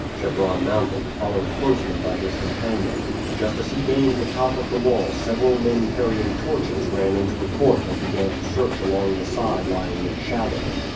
Chebron mounted, followed closely by his companion. Just as he gained the top of the wall several men carrying torches ran into the court and began to search along the side lying in shadow.